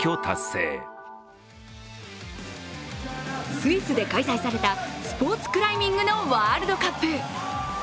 スイスで開催されたスポーツクライミングのワールドカップ。